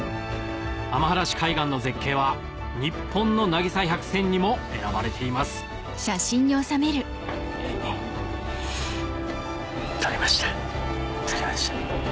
雨晴海岸の絶景は日本の渚百選にも選ばれています撮りました。